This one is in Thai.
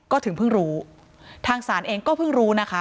ก็ถึงเพิ่งรู้ทางศาลเองก็เพิ่งรู้นะคะ